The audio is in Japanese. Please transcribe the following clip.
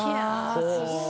すごい！